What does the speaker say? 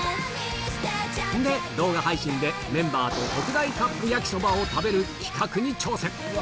で、動画配信でメンバーと特大カップ焼きそばを食べる企画に挑戦。